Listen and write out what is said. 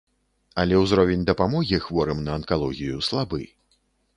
Але ўзровень дапамогі хворым на анкалогію слабы.